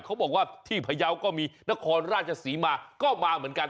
เขาบอกว่าที่พยาวก็มีนครราชศรีมาก็มาเหมือนกัน